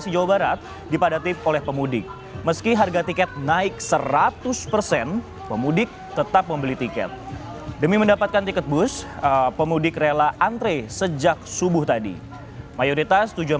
untuk mengangkut penumpang yang akan menyeberang ke pulau sumatera melalui pelabuhan ciwan dan disediakan juga sebelas kapal feri yang disediakan pengelola angkutan